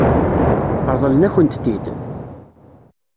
Ṛeḍlen-akent-t-id?